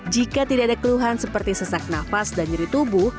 jika tidak ada keluhan seperti sesak nafas dan nyeri tubuh